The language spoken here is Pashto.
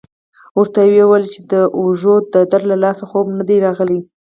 ورته ویې ویل چې د اوږو د درد له لاسه خوب نه دی راغلی.